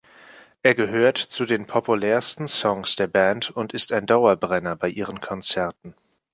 Er gehört zu den populärsten Songs der Band und ist ein Dauerbrenner bei ihren Konzerten.